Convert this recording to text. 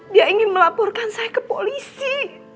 dia ingin melaporkan saya ke polisi